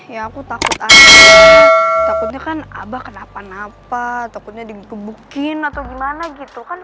ya aku takutnya kan abah kenapa napa takutnya digebukin atau gimana gitu kan